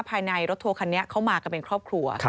ภายในรถทัวร์คันนี้เข้ามากันเป็นครอบครัว